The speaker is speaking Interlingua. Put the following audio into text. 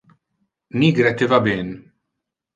Nigre te va ben.